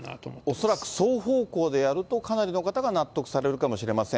恐らく双方向でやると、かなりの方が納得されるかもしれません。